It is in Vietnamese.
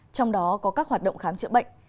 trong đó có các hoạt động khám chữa bệnh